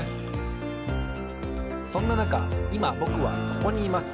そんななかいまぼくはここにいます。